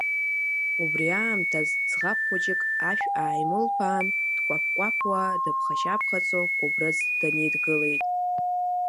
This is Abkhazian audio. Убри аамҭаз ӡӷаб хәыҷык ашә ааимылԥаан, дкәаԥ-кәаԥуа, дыԥхашьаԥхаҵо Кәыбрыц дынидгылеит.